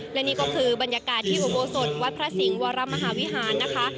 และนี่ก็คือบรรยากาศที่อุโบสถวัดพระสิงห์วรมหาวิหารนะคะ